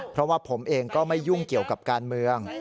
เพราะว่าผมเองก็ไม่ยุ่งเกี่ยวกับการเมือง